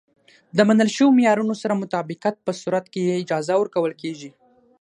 د منل شویو معیارونو سره مطابقت په صورت کې یې اجازه ورکول کېږي.